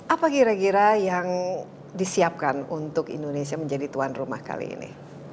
apa kira kira yang disiapkan untuk indonesia menjadi tuan rumah kali ini